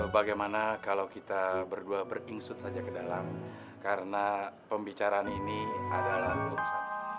bagaimana kalau kita berdua berkingsut saja ke dalam karena pembicaraan ini adalah urusan